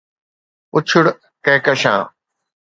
پُڇڙ ڪھڪشان